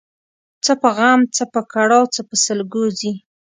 څه په غم ، څه په کړاو څه په سلګو ځي